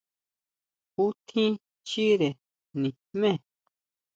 ¿Jú tjín chire nijmé?